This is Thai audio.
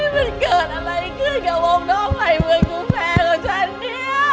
มันเกิดอะไรขึ้นกับองค์น้องใหม่เมืองกูแฟนของฉันเนี่ย